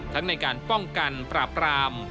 ในการป้องกันปราบราม